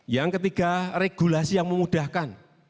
yang ketiga regulasi yang memudahkan